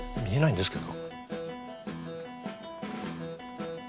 見えないんですけど。